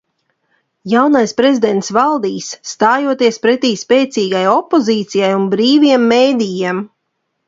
Jaunais prezidents valdīs, stājoties pretī spēcīgai opozīcijai un brīviem medijiem.